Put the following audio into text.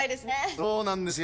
そうなんですよ。